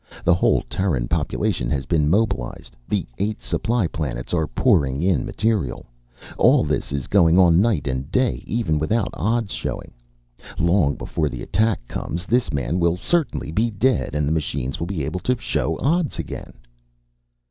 The whole Terran population has been mobilized. The eight supply planets are pouring in material. All this is going on day and night, even without odds showing. Long before the attack comes this man will certainly be dead, and the machines will be able to show odds again."